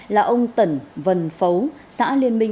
là ông tẩn vân phấu xã liên minh